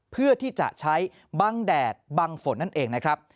เพื่อที่จะใช้บังแดดบังฝนนั่นเองนะครับ